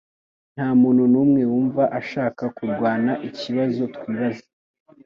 Ntamuntu numwe wumva ashaka kurwana ikibazo twibaza